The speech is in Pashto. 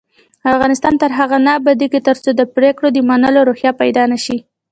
افغانستان تر هغو نه ابادیږي، ترڅو د پریکړو د منلو روحیه پیدا نشي.